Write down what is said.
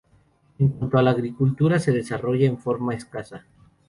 En cuanto a la agricultura, se desarrolla en forma escasa.